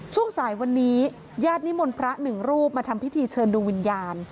ช่วงสายวันนี้ญาตินิมนต์พระหนึ่งรูปมาทำพิธีเชิญดูวิญญาณ